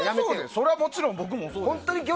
それはもちろん僕もそうです。